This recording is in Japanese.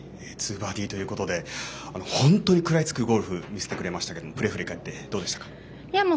バーディーということで本当に食らいつくゴルフ見せてくれましたけどプレー、振り返っていかがですか。